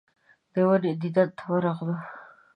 د ونې دیدن ته ورغلو.